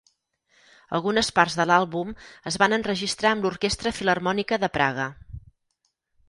Algunes parts de l'àlbum es van enregistrar amb l'Orquestra Filharmònica de Praga.